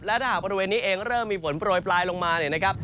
และถ้าหากบริเวณนี้เองเริ่มมีฝนโปรยปลายลงมาเนี่ยนะครับ